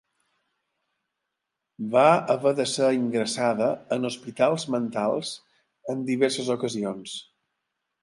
Va haver de ser ingressada en hospitals mentals en diverses ocasions.